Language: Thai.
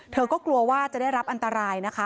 เธอก็กลัวว่าจะได้รับอันตรายนะคะ